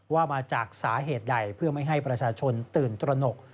ว่ามาจากสาเหตุใดเพื่อไม่ให้ประชาชนตื่นตระหนก